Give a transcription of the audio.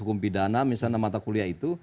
hukum pidana misalnya mata kuliah itu